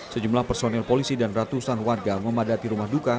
sejumlah personil polisi dan ratusan warga memadati rumah duka